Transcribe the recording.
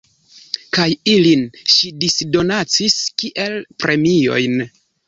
Kaj ilin ŝi disdonacis kiel premiojn.